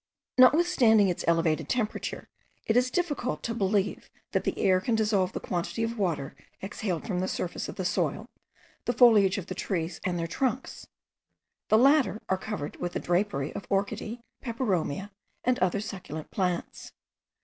Notwithstanding its elevated temperature, it is difficult to believe that the air can dissolve the quantity of water exhaled from the surface of the soil, the foliage of the trees, and their trunks: the latter are covered with a drapery of orchideae, peperomia, and other succulent plants.